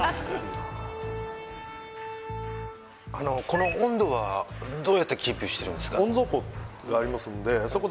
この温度はどうやってキープしてるんですか？